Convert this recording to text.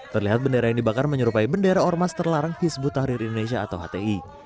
terlihat bendera yang dibakar menyerupai bendera ormas terlarang hizbut tahrir indonesia atau hti